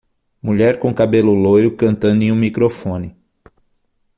Mulher com cabelo loiro cantando em um microfone.